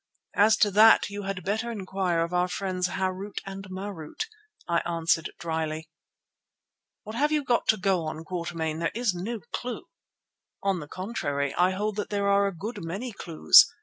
"As to that you had better inquire of our friends, Harût and Marût," I answered dryly. "What have you to go on, Quatermain? There is no clue." "On the contrary I hold that there are a good many clues.